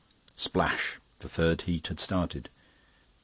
Splash! The third heat had started.